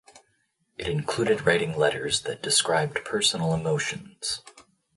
It included writing letters that described personal emotions.